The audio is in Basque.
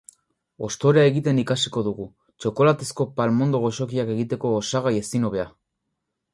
Hostorea egiten ikasiko dugu, txokolatezko palmondo goxoak egiteko osagai ezin hobea.